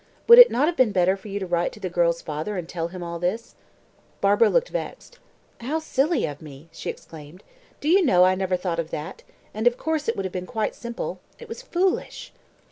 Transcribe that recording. Would it not have been better for you to write to the girl's father and tell him all this?" Barbara looked vexed. "How silly of me!" she exclaimed. "Do you know, I never thought of that; and, of course, it would have been quite simple. It was foolish!"